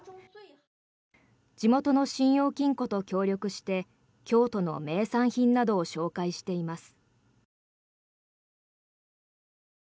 地元の信用金庫と協力して京都の名産品などを紹介しています。